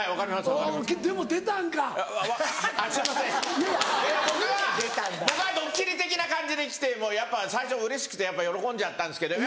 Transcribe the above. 僕は僕はドッキリ的な感じで来てもうやっぱ最初うれしくてやっぱ喜んじゃったんですけど。